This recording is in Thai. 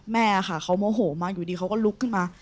แม่ค่ะเขาโมโหมากอยู่ดีเขาก็ลุกขึ้นมา